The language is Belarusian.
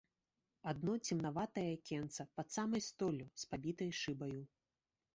Адно цемнаватае акенца, пад самай столлю, з пабітай шыбаю.